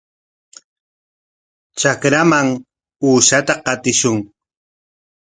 Trakraman uushata qatishun.